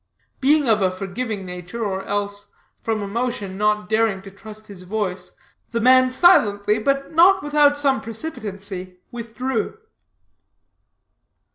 Being of a forgiving nature, or else from emotion not daring to trust his voice, the man silently, but not without some precipitancy, withdrew.